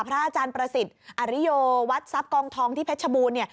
พระอาจารย์ประสิทธิ์อาริโยวัดทรัพย์กองทองที่แพทย์ชะบูน